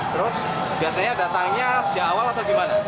terus biasanya datangnya sejak awal atau gimana